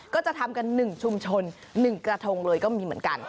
ก็จะทำกัน๑ชุมชน๑กระทงเลยก็มีเหมือนกัน